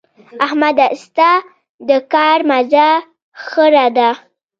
احمده؛ ستا د کار مزه خړه ده.